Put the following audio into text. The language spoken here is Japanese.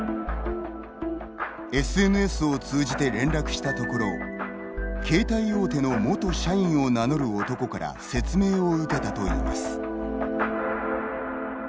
ＳＮＳを通じて連絡したところ携帯大手の元社員を名乗る男から説明を受けたといいます。